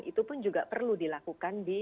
itu pun juga perlu dilakukan di jalan jalan lainnya